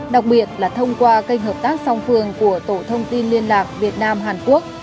đặc biệt là thông qua kênh hợp tác song phương của tổ thông tin liên lạc việt nam hàn quốc